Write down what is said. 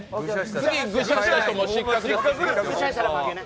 次グシャァした人、失格。